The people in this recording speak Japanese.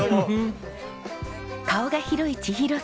顔が広い千尋さん。